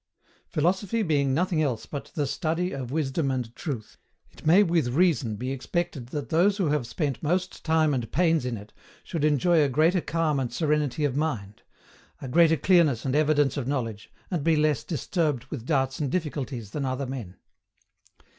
Philosophy being nothing else but THE STUDY OF WISDOM AND TRUTH, it may with reason be expected that those who have spent most time and pains in it should enjoy a greater calm and serenity of mind, a greater clearness and evidence of knowledge, and be less disturbed with doubts and difficulties than other men.